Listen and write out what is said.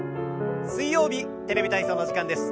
水曜日「テレビ体操」の時間です。